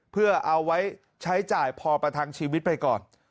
เพื่อเอาไว้ใช้จ่ายพอประทังชีวิตไปก่อน